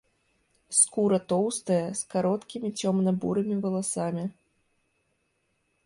Скура тоўстая, з кароткімі цёмна-бурымі валасамі.